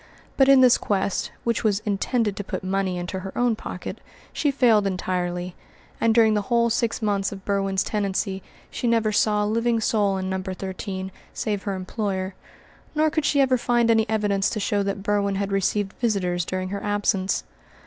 But in this quest, which was intended to put money into her own pocket, she failed entirely; and during the whole six months of Berwin's tenancy she never saw a living soul in No. 13 save her employer; nor could she ever find any evidence to show that Berwin had received visitors during her absence.